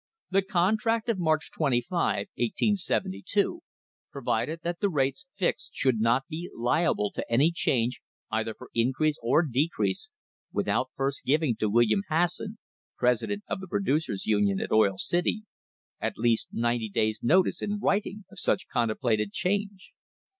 The THE HISTORY OF THE STANDARD OIL COMPANY contract of March 25, 1872, provided that the rates fixed should not be "liable to any change either for increase or decrease without first giving to William Hasson, president of the Producers' Union, at Oil City, at least ninety days' notice in writing of such contemplated change."